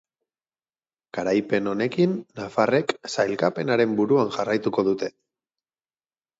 Garaipen honekin, nafarrek sailkapenaren buruan jarraituko dute.